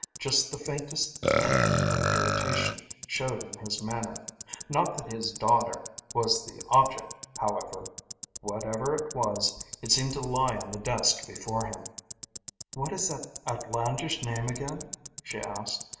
Just the faintest hint of irritation showed in his manner. Not that his daughter was the object, however. Whatever it was, it seemed to lie on the desk before him. "What is that outlandish name again?" she asked.